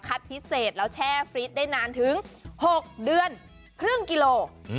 พิเศษแล้วแช่ฟรีดได้นานถึง๖เดือนครึ่งกิโล